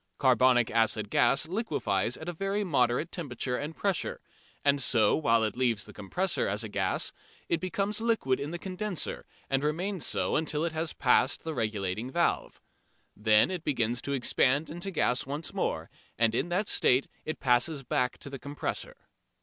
Carbonic acid gas liquefies at a very moderate temperature and pressure, and so while it leaves the compressor as a gas it becomes liquid in the condenser and remains so until it has passed the regulating valve. Then it begins to expand into gas once more, and in that state it passes back to the compressor.